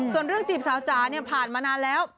ส่วนเรื่องจีบสาวจ๋าเนี่ยผ่านมานานแล้ว